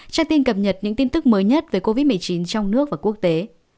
tra tin cập nhật những tin tức mới nhất về covid một mươi chín trong nước và quốc tế